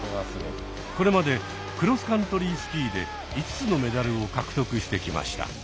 これまでクロスカントリースキーで５つのメダルを獲得してきました。